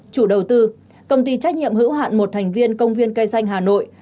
chủ đầu tư công ty trách nhiệm hữu hạn một thành viên công viên cây xanh hà nội